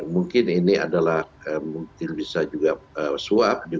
mungkin ini adalah mungkin bisa juga suap